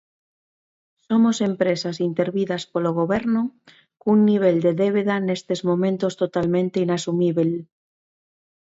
Somos empresas intervidas polo Goberno, cun nivel de débeda nestes momentos totalmente inasumíbel.